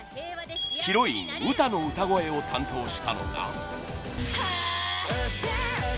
ヒロインウタの歌声を担当したのが。